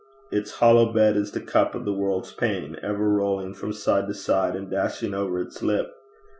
Its hollow bed is the cup of the world's pain, ever rolling from side to side and dashing over its lip.